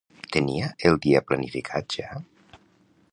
Tenia el dia planificat ja?